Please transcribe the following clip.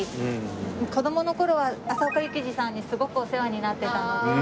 子供の頃は朝丘雪路さんにすごくお世話になってたので。